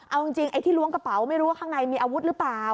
เอาจริงไอ้ที่ล้วงกระเป๋าไม่รู้ว่าข้างในมีอาวุธหรือเปล่า